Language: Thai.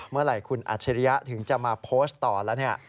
เมื่อไหร่คุณอัจฉริยะถึงจะมาโพสต์ต่อแล้วเนี่ย